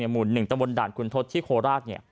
หมู่๑ตะบนด่านคุณทศที่โคราช